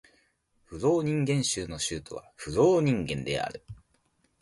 フローニンゲン州の州都はフローニンゲンである